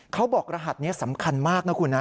กรหัสนี้สำคัญมากนะคุณนะ